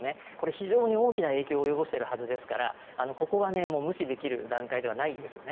非常に大きな影響を及ぼしているはずですからここは無視できる段階ではないですよね。